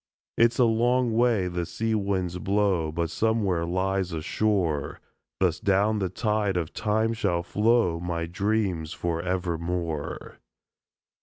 It's a long way the sea winds blow But somewhere lies a shore Thus down the tide of Time shall flow My dreams forevermore.